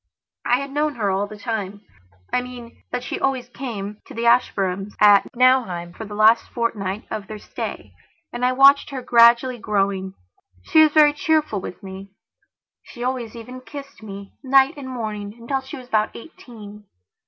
I had known her all the timeI mean, that she always came to the Ashburnhams' at Nauheim for the last fortnight of their stayand I watched her gradually growing. She was very cheerful with me. She always even kissed me, night and morning, until she was about eighteen.